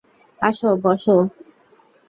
আসো, বসো।